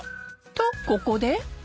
［とここで］